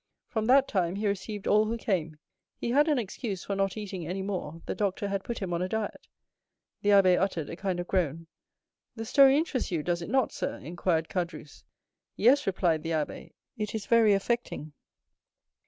"From that time he received all who came; he had an excuse for not eating any more; the doctor had put him on a diet." The abbé uttered a kind of groan. "The story interests you, does it not, sir?" inquired Caderousse. "Yes," replied the abbé, "it is very affecting."